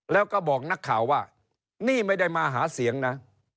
แล้วก็บอกนักข่าวว่านี่ไม่ได้มาหาเสียงนะ